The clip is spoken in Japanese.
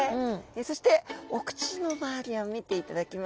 そしてお口の周りを見ていただきますと。